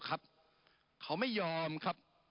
ปรับไปเท่าไหร่ทราบไหมครับ